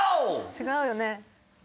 違うよね？